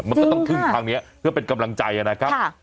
มันก็ต้องครึ่งทางนี้เพื่อเป็นกำลังใจนะครับ